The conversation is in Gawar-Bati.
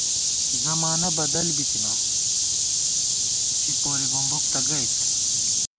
زمانہ بدل بِتَنہ شِپوری بُمبُک تہ گئیت